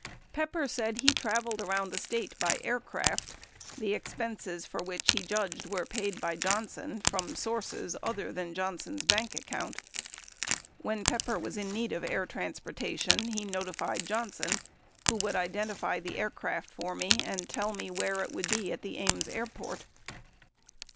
Pepper said he traveled around the State by aircraft, the expenses for which he judged were paid by Johnson from sources other than Johnson's bank account. When Pepper was in need of air transporta tion, he notified Johnson who "... would identify the aircraft for me and tell me where it would be at the Ames airport.